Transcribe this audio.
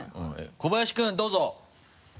小林君どうぞ！